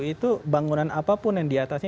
itu bangunan apapun yang diatasnya